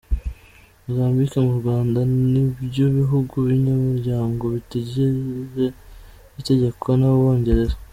Mozambique n’u Rwanda nibyo bihugu binyamuryango bitigeze bitegekwa n’Abongereza.